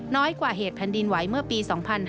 กว่าเหตุแผ่นดินไหวเมื่อปี๒๕๕๙